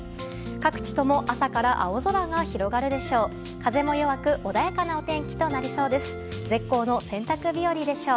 各地とも朝から青空が広がるでしょう。